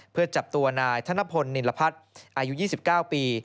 เพื่อจับตัวนายธนพลนิรพัฒน์อายุ๒๙ปี